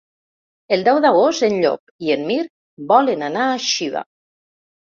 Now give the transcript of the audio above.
El deu d'agost en Llop i en Mirt volen anar a Xiva.